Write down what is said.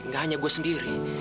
nggak hanya gue sendiri